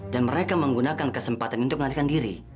dan mereka menggunakan kesempatan itu untuk menarikan diri